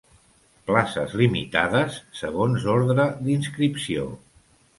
Places limitades segons ordre d'inscripció.